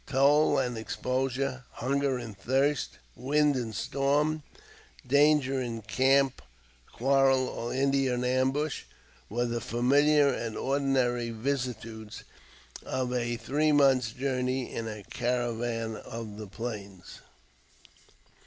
Toil and exposure, hunger and thirst, wind and storm, danger in camp quarrel or Indian ambush, were the familiar and ordinary vicissitudes of a three months' journey in a caravan of the plains.